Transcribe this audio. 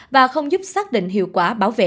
và không giúp xác định hiệu quả bảo vệ